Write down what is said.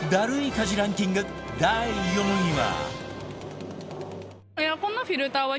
家事ランキング第４位は